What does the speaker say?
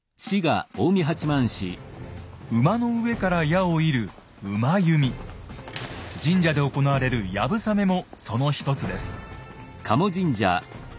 馬の上から矢を射る神社で行われる「流鏑馬」もその一つです。